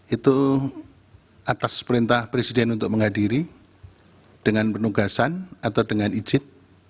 itu atas perintah presiden untuk menghadiri dengan penugasan atau dengan izin